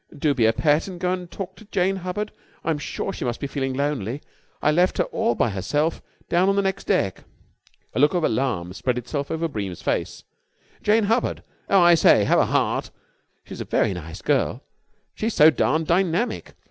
"Do be a pet and go and talk to Jane Hubbard. I'm sure she must be feeling lonely. I left her all by herself down on the next deck." A look of alarm spread itself over Bream's face. "Jane Hubbard! Oh, say, have a heart!" "She's a very nice girl." "She's so darned dynamic.